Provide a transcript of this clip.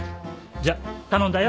じゃ頼んだよ。